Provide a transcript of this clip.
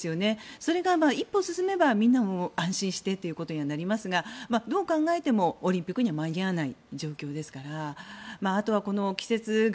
それが一歩進めばみんなも安心してということになりますがどう考えてもオリンピックには間に合わない状況ですからあとは、季節柄